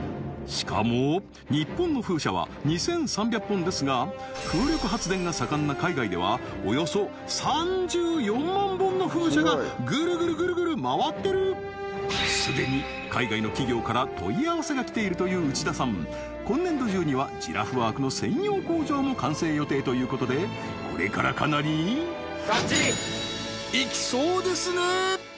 しかもですが風力発電が盛んな海外ではおよそ３４万本の風車がぐるぐるぐるぐる回ってる既に海外の企業から問い合わせが来ているという内田さん今年度中にはジラフワークの専用工場も完成予定ということでこれからかなりいきそうですね！